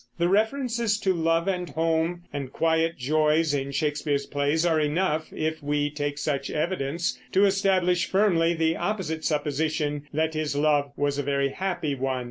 The references to love and home and quiet joys in Shakespeare's plays are enough, if we take such evidence, to establish firmly the opposite supposition, that his love was a very happy one.